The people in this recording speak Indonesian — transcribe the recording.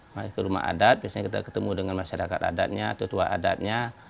masuk ke rumah adat biasanya kita ketemu dengan masyarakat adatnya atau tua adatnya